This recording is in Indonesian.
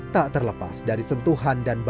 tak terlepas dari sentuhan dan bangunan